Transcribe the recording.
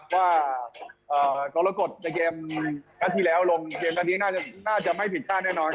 ว่ากรกฎในเกมนัดที่แล้วลงเกมนัดนี้น่าจะไม่ผิดพลาดแน่นอน